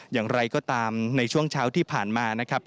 อย่างไรก็ตามในช่วงเช้าที่ผ่านมานะครับ